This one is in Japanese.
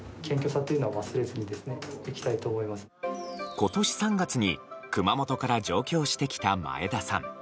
今年３月に熊本から上京してきた前田さん。